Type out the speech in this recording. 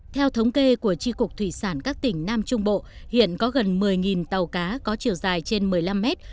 theo thống kê của tri cục thủy sản các tỉnh nam trung bộ hiện có gần một mươi tàu cá có chiều dài trên một mươi năm mét